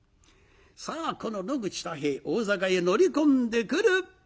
さあこの野口太兵衛大坂へ乗り込んでくる。